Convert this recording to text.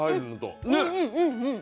うんうんうんうん。